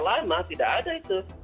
lama tidak ada itu